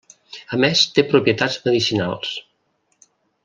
A més té propietats medicinals.